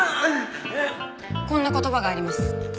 こんな言葉があります。